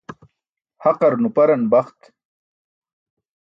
Haqar nuparan baxt.